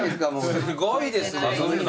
すごいですね。